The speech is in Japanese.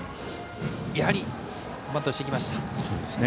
やはりバントしてきました。